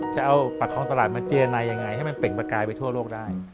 จะเอาประคองตลาดมาเจรนายยังไงให้มันเปล่งประกายไปทั่วโลกได้